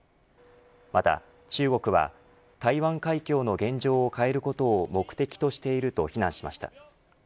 また中国は台湾海峡の現状を変えることを目的としていると非難しました。